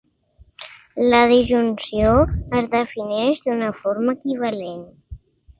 La disjunció es defineix d'una forma equivalent.